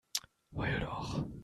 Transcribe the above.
Heul doch!